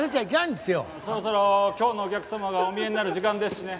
そろそろ今日のお客様がお見えになる時間ですしね。